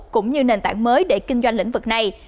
cũng như nền tảng mới để kinh doanh lĩnh vực này